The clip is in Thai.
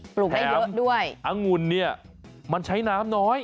ลูกได้เยอะด้วยอังุ่นเนี่ยมันใช้น้ำน้อย